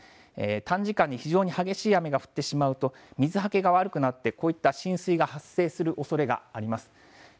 短時間に非常に激しい雨が降ってしまうと水はけが悪くなって、こういった浸水が発生するおそれがあります。